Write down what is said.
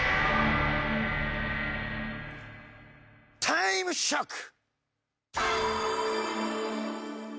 タイムショック！